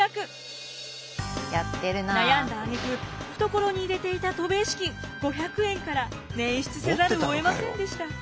悩んだあげく懐に入れていた渡米資金５００円から捻出せざるをえませんでした。